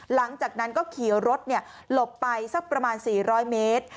หลังจากนั้นก็ขี่รถหลบไปสักประมาณ๔๐๐เมตร